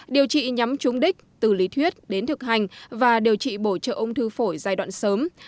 điều trị nhắm trúng đích từ lý thuyết đến thực hành và điều trị bổ trợ ung thư phổi giai đoạn sớm